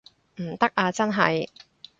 唔得啊真係